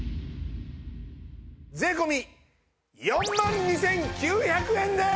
税込４万２９００円です！